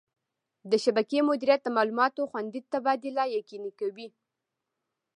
د شبکې مدیریت د معلوماتو خوندي تبادله یقیني کوي.